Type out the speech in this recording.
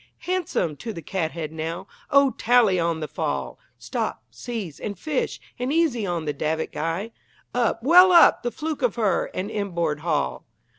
Handsome to the cathead, now! O tally on the fall! Stop, seize, and fish, and easy on the davit guy. Up, well up, the fluke of her, and inboard haul!